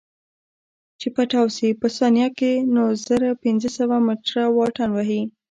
چې پټاو سي په ثانيه کښې نو زره پنځه سوه مټره واټن وهي.